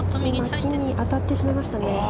木に当たってしまいましたね。